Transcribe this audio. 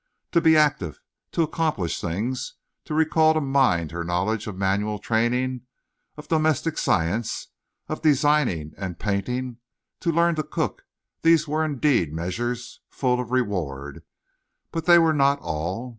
To be active, to accomplish things, to recall to mind her knowledge of manual training, of domestic science, of designing and painting, to learn to cook—these were indeed measures full of reward, but they were not all.